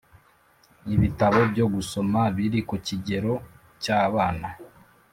ibitabo byo gusoma biri ku kigero cy’abana,